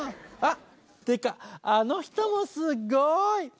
あっっていうかあの人もすごい！